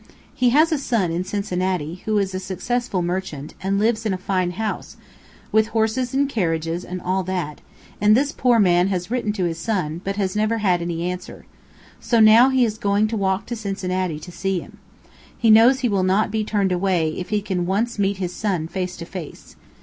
He has a son in Cincinnati, who is a successful merchant, and lives in a fine house, with horses and carriages, and all that; and this poor man has written to his son, but has never had any answer. So now he is going to walk to Cincinnati to see him. He knows he will not be turned away if he can once meet his son, face to face.